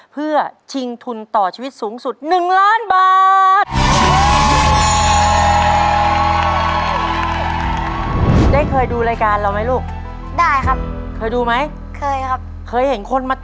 เพื่อชิงทุนต่อชีวิตสูงสุด๑ล้านบาท